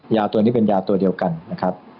ยาตัวนี้เป็นยาตัวเดียวกันนะครับ